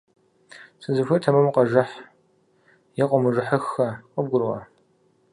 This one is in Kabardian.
- Сызыхуейр - тэмэму къэжыхь, е къыумыжыхьыххэ! КъыбгурыӀуа?!